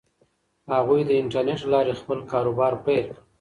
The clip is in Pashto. هغوی د انټرنیټ له لارې خپل کاروبار پیل کړ.